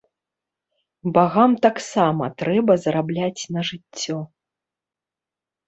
Багам таксама трэба зарабляць на жыццё.